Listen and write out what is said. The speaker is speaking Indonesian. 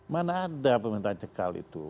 mana ada permintaan cekal itu